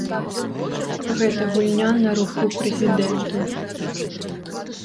Гэта гульня на руку прэзідэнту.